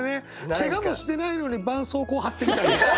けがもしてないのにばんそうこう貼ってみたり。